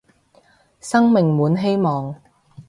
生命滿希望